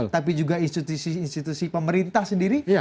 tapi juga institusi institusi pemerintah sendiri